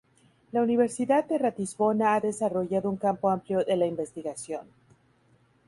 La Universidad de Ratisbona ha desarrollado un campo amplio de la investigación.